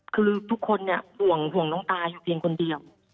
คือทุกคนเนี่ยห่วงน้องตาอยู่เพียงคนเดียว